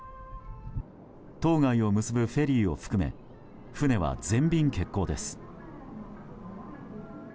島外を結ぶフェリーを含め船は全便欠航です。